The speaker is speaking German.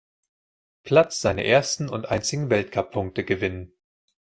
Platz seine ersten und einzigen Weltcup-Punkte gewinnen.